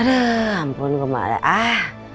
aduh ampun kok malah ah